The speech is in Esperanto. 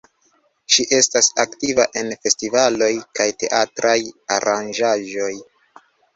Ŝi estas aktiva en festivaloj kaj teatraj aranĝaĵoj.